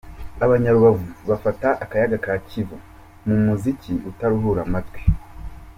Abanya-Rubavu bafata akayaga ka Kivu mu muziki utaruhura amatwi.